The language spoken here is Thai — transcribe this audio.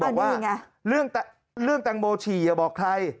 บอกว่าเรื่องแตงโมฉี่อย่าบอกใคร